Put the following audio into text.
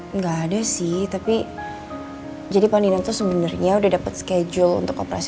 enggak ada sih tapi jadi pak nino tuh sebenarnya udah dapet schedule untuk operasi